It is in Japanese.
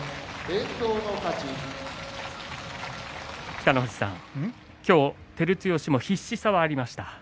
北の富士さん、今日照強、必死さはありましたね。